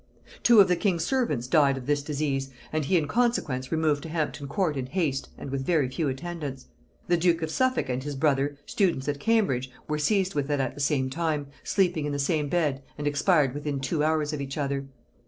Two of the king's servants died of this disease, and he in consequence removed to Hampton Court in haste and with very few attendants. The duke of Suffolk and his brother, students at Cambridge, were seized with it at the same time, sleeping in the same bed, and expired within two hours of each other.